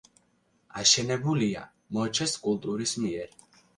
აშენებულია მოჩეს კულტურის მიერ.